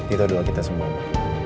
itu doang kita semua